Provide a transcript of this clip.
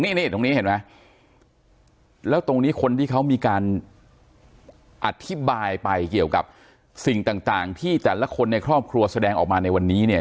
นี่ตรงนี้เห็นไหมแล้วตรงนี้คนที่เขามีการอธิบายไปเกี่ยวกับสิ่งต่างที่แต่ละคนในครอบครัวแสดงออกมาในวันนี้เนี่ย